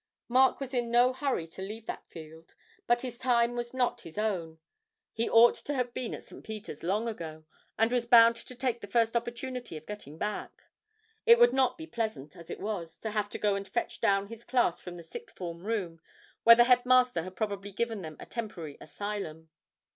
Mark was in no hurry to leave that field, but his time was not his own; he ought to have been at St. Peter's long ago, and was bound to take the first opportunity of getting back. It would not be pleasant, as it was, to have to go and fetch down his class from the sixth form room, where the headmaster had probably given them a temporary asylum.